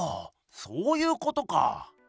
そういうことか。